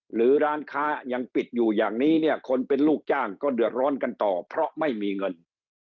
หรือร้านค้ายังปิดอยู่อย่างนี้เนี่ยคนเป็นลูกจ้างก็เดือดร้อนกันต่อเพราะไม่มีเงิน